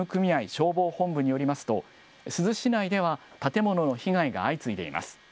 消防本部によりますと、珠洲市内では建物の被害が相次いでいます。